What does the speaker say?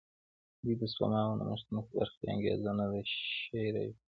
دوی د سپما او نوښتونو په برخه کې انګېزه نه شي را ژوندی کولای.